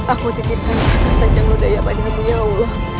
aku titipkan rasa janggut daya padamu ya allah